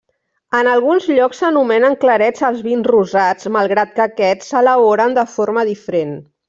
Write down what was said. En alguns llocs s'anomenen clarets als vins rosats malgrat que aquests s'elaboren de forma diferent.